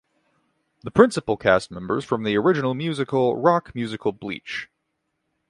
The principal cast members from the original musical "Rock Musical Bleach".